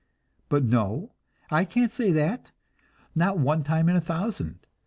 But no, I can't say that not one time in a thousand.